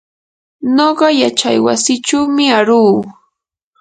nuqa yachaywasichumi aruu.